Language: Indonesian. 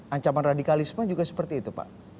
ancaman radikalisme juga seperti itu pak